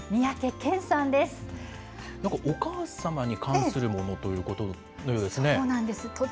なんかお母様に関するものということのようですね。